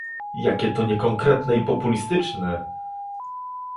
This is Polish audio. Jakie to niekonkretne i populistyczne!